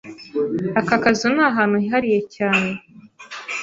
Aka kazu ni ahantu hihariye cyane.